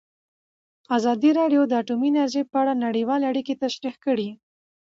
ازادي راډیو د اټومي انرژي په اړه نړیوالې اړیکې تشریح کړي.